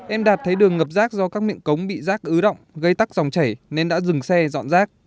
em đạt thấy đường ngập rác do các miệng cống bị rác ứ động gây tắc dòng chảy nên đã dừng xe dọn rác